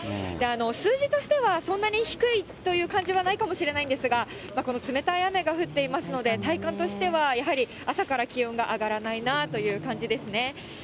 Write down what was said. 数字としてはそんなに低いという感じはないかもしれないんですが、この冷たい雨が降っていますので、体感としては、やはり朝から気温が上がらないなという感じですね。